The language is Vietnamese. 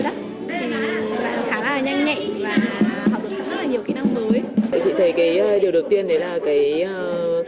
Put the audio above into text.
các kỹ năng mềm của bạn các kỹ năng thể chất thì bạn khá là nhanh nhẹn và học được rất là nhiều kỹ năng mới